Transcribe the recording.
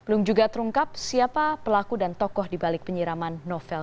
belum juga terungkap siapa pelaku dan tokoh dibalik penyiraman novel